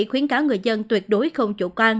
khuyến cáo người dân tuyệt đối không chủ quan